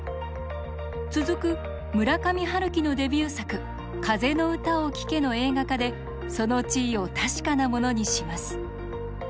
続く村上春樹のデビュー作「風の歌を聴け」の映画化でその地位を確かなものにします。